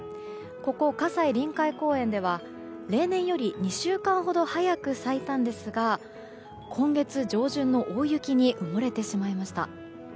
ここ葛西臨海公園では例年より２週間ほど早く咲いたんですが今月上旬の大雪に埋もれてしまいました。